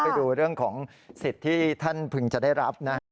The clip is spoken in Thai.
ไปดูเรื่องของสิทธิ์ที่ท่านพึงจะได้รับนะ